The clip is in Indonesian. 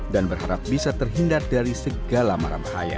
dan berharap bisa terhindar dari perhiasan yang terlalu banyak